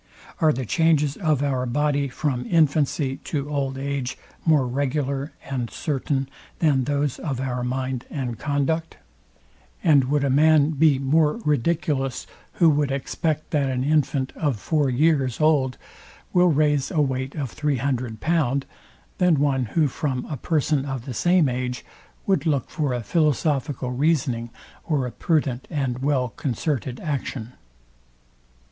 Are the changes of our body from infancy to old age more regular and certain than those of our mind and conduct? And would a man be more ridiculous, who would expect that an infant of four years old will raise a weight of three hundred pound, than one, who from a person of the same age would look for a philosophical reasoning, or a prudent and well concerted action?